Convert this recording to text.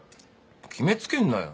決め付けんなよ。